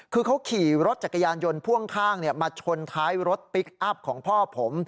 คือเขาขี่รถจักรยานยนต์พ่วงข้างมาชนท้ายรถพลิกอัพของพ่อผม